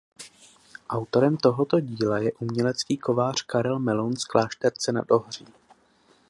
Autorem tohoto díla je umělecký kovář Karel Meloun z Klášterce nad Ohří.